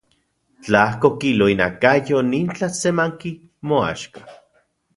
Tlajko kilo inakayo nin tlasemanki moaxka.